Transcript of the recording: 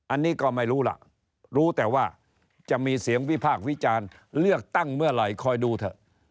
อันนี้ก็ไม่รู้ล่ะรู้แต่ว่าจะมีเสียงวิพากษ์วิจารณ์เลือกตั้งเมื่อไหร่คอยดูเถอะ